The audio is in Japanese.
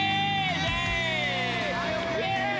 イエーイ！